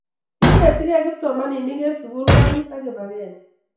Inetigei kipsimaninik eng' sukul konyit ak kibagenge